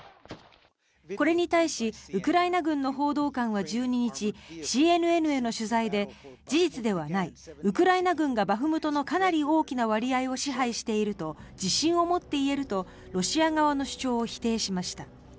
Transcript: これに対しウクライナ軍の報道官は１１日ＣＮＮへの取材で事実ではないウクライナ軍がバフムトのかなり大きな割合を支配していると自信を持って言えるとロシア側の主張を否定しました。